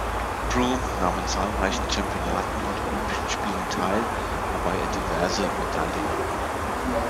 Broome nahm an zahlreichen Championaten und Olympischen Spielen teil, wobei er diverse Medaillen errang.